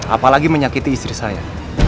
apalagi menyakiti istri saya